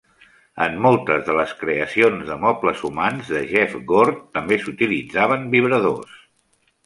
En moltes de les creacions de mobles humans de Jeff Gord, també s'utilitzaven vibradors.